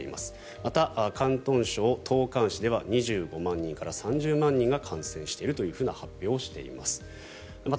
また、広東省東莞市では２５万人から３０万人が感染しているというふうな発表をしています。